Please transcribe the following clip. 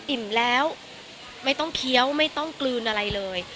อิ่มแล้วไม่ต้องเคี้ยวไม่ต้องกลืนอะไรเลย